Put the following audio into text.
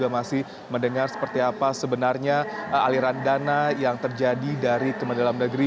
masih mendengar seperti apa sebenarnya aliran dana yang terjadi dari kementerian dalam negeri